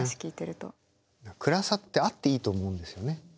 暗さってあっていいと思うんですよね。